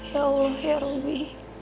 ya allah ya rabbi